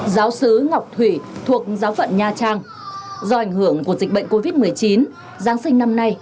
giáo sứ ngọc thủy thuộc giáo phận nha trang do ảnh hưởng của dịch bệnh covid một mươi chín giáng sinh năm nay